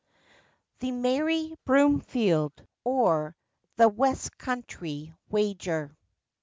THE MERRY BROOMFIELD; OR, THE WEST COUNTRY WAGER.